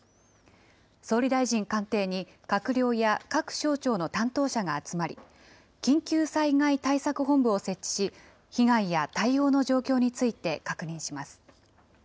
総理大臣官邸に閣僚や各省庁の担当者が集まり、緊急災害対策本部を設置し、被害や対応の状況について確認します。